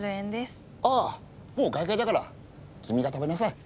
ああもう会計だから君が食べなさい。